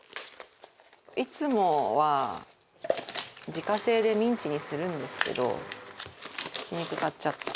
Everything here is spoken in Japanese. いつもは自家製でミンチにするんですけどひき肉買っちゃった。